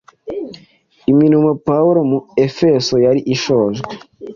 Imirimo ya Pawulo mu Efeso yari isojwe.